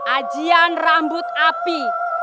ajian rambut api